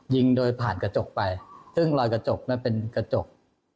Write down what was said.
ยิงโดยผ่านกระจกไปซึ่งรอยกระจกนั้นเป็นกระจก